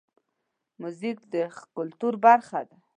موزیک د کلتور برخه ده.